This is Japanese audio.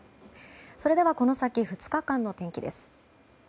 それでは、この先２日間の天気です。